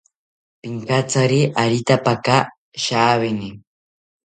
Pinkatsari aretapaka shawini